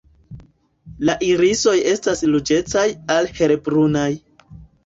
La irisoj estas ruĝecaj al helbrunaj.